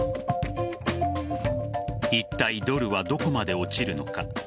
いったい、ドルはどこまで落ちるのか。